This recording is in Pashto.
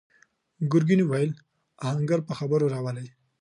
ګرګين وويل: آهنګر په خبرو راولئ!